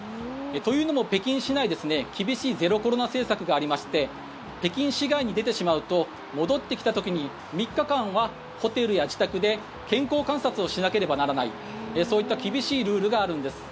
というのも、北京市内厳しいゼロコロナ政策がありまして北京市外に出てしまうと戻ってきた時に３日間はホテルや自宅で健康観察をしなければならないそういった厳しいルールがあるんです。